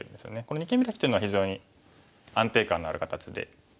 この二間ビラキというのは非常に安定感のある形で。